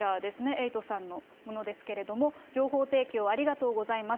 エイトさんのものですけれども、情報提供ありがとうございます。